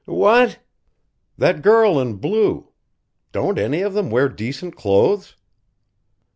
"What?" "That girl in blue. Don't any of them wear decent clothes?"